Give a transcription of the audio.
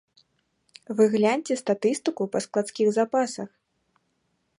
Вы гляньце статыстыку па складскіх запасах.